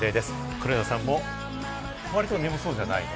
黒田さんも、割と眠そうじゃないね。